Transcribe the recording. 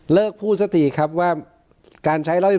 เลิกพูดสตรีครับว่าการใช้๑๑๒